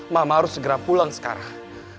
mama harus segera pulang sekarang